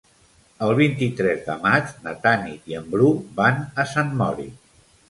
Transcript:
El vint-i-tres de maig na Tanit i en Bru van a Sant Mori.